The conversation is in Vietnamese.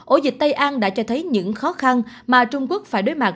ổ dịch tây an đã cho thấy những khó khăn mà trung quốc phải đối mặt